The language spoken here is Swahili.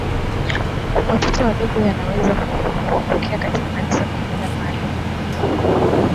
watoto wadogo Yanaweza kuwapokea katika Kanisa kwa ibada maalumu